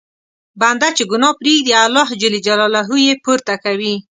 بنده چې ګناه پرېږدي، الله یې پورته کوي.